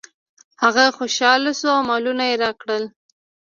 هغه خوشحاله شو او مالونه یې راکړل.